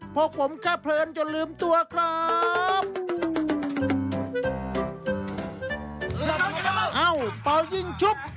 พวกผมแค่เพลินจนลืมตัวครับ